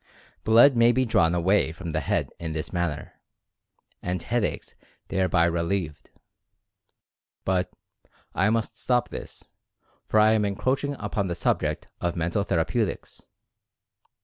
Blood may be drawn Experiments in Induced Sensation 123 away from the head in this manner, and headaches thereby relieved. But, I must stop this, for I am encroaching upon the subject of Mental Therapeutics.